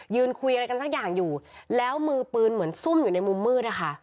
ยืนคุยอะไรกันสักอย่างอยู่แล้วมือปืนเหมือนซุ่มอยู่ในมุมมืดนะคะ